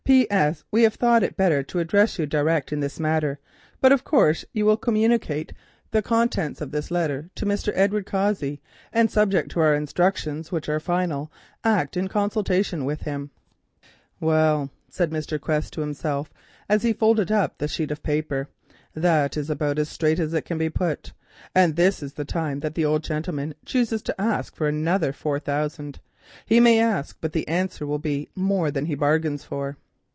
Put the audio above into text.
"P.S.—We have thought it better to address you direct in this matter, but of course you will communicate the contents of this letter to Mr. Edward Cossey, and, subject to our instructions, which are final, act in consultation with him." "Well," said Mr. Quest to himself, as he folded up the sheet of paper, "that is about as straight as it can be put. And this is the time that the old gentleman chooses to ask for another four thousand. He may ask, but the answer will be more than he bargains for."